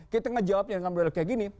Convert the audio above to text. kita ngejawabnya dengan model kayak gini